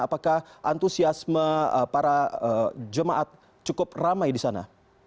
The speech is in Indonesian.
apakah antusiasme para jemaat cukup ramai di sana